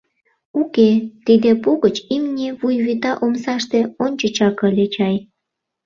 Уке, тиде пу гыч имне вуй вӱта омсаште ончычак ыле чай.